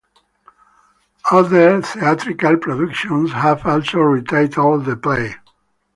Other theatrical productions have also retitled the play.